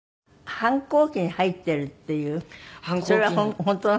反抗期に入っているっていうそれは本当なの？